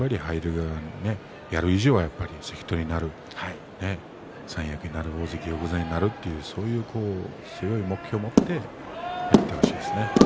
やる以上は関取になる三役になる大関横綱になるというそういう目標を持ってやってほしいですね。